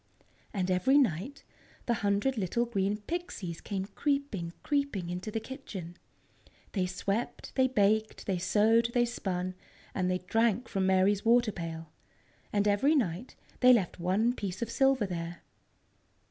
And every night the hundred little green Pixies came creeping, creeping into the kitchen. They swept, they baked, they sewed, they spun, and they drank from Mary's water pail. And every night they left one piece of silver there.